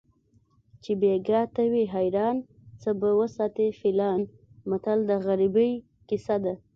چې بیګا ته وي حیران څه به وساتي فیلان متل د غریبۍ کیسه ده